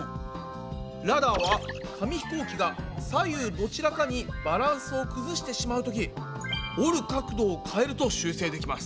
ラダーは紙ひこうきが左右どちらかにバランスを崩してしまうとき折る角度を変えると修正できます。